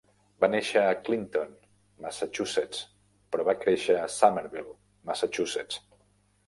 Va néixer a Clinton, Massachusetts, però va créixer a Somerville, Massachusetts.